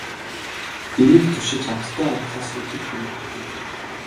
Дэрийг түшиж амттай унтахаас өдөр хэрэг үгүй.